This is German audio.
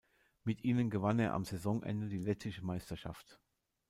Mit ihnen gewann er am Saisonende die lettische Meisterschaft.